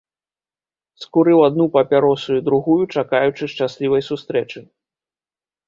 Скурыў адну папяросу і другую, чакаючы шчаслівай сустрэчы.